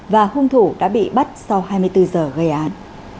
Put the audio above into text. và hung thủ đã bị bắt sau hai mươi bốn giờ gây án